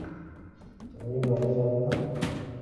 তুমি বাইরে যাবে না?